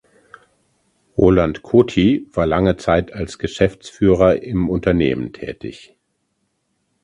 Roland Coty war lange Zeit als Geschäftsführer im Unternehmen tätig.